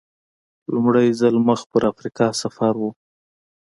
لومړی ځل مخ پر افریقا سفر و.